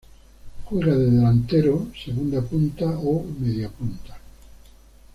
Juega de Delantero, segunda punta o mediapunta.